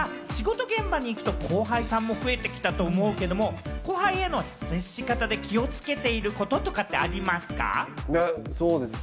山Ｐは仕事現場に行くと、後輩さんも増えてきたと思うけれども、後輩への接し方で気をつけていることとかってありますか？